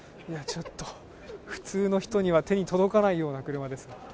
ちょっと普通の人には手に届かないような車です。